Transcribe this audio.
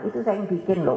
itu saya yang bikin loh